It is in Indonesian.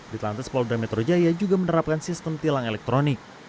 di telantas polda metro jaya juga menerapkan sistem tilang elektronik